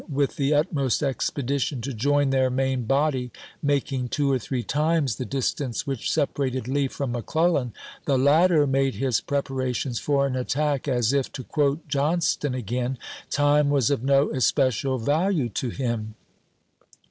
witli the utmost expedition to join their main body, making two or three times the distance which sep arated Lee from McClellan, the latter made his preparations for an attack, as if, to quote John ston again, time was of no especial value to him.